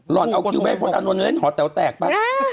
รอดเอาคิวเบดเพราะตานว่าเล่นหอแตวแตกป่ะ